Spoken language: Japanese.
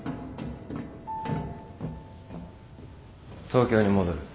東京に戻る。